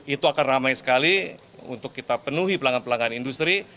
itu akan ramai sekali untuk kita penuhi pelanggan pelanggan industri